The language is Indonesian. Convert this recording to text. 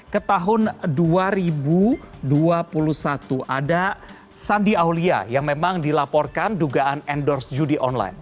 ke tahun dua ribu dua puluh satu ada sandi aulia yang memang dilaporkan dugaan endorse judi online